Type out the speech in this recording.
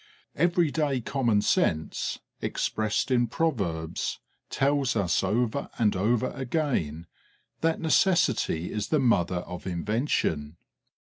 Everyday common sense, expressed in proverbs, tells us over and over again that necessity is the mother of invention.